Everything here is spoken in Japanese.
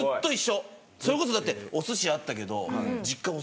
それこそだっておすしあったけど。